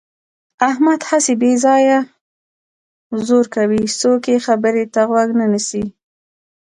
احمد هسې بې ځایه زور کوي. څوک یې خبرې ته غوږ نه نیسي.